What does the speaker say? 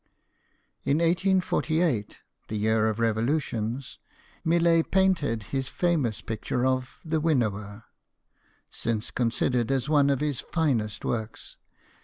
In 1848, the year of revolutions, Millet painted his famous picture of " The Winnower," since considered as one of his finest works.